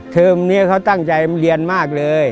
เทอมนี้เขาตั้งใจเรียนมากเลย